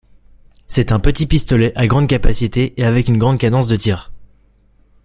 C'est un petit pistolet à grande capacité et avec une grande cadence de tir.